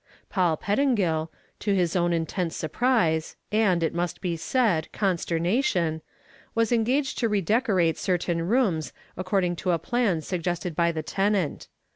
Paul Pettingill, to his own intense surprise and, it must be said, consternation, was engaged to redecorate certain rooms according to a plan suggested by the tenant.